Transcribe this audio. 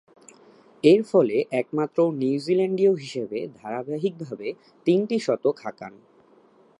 এরফলে একমাত্র নিউজিল্যান্ডীয় হিসেবে ধারাবাহিকভাবে তিনটি শতক হাঁকান।